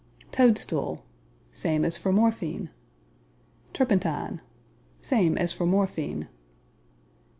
Toadstool Same as for morphine. Turpentine Same as for morphine.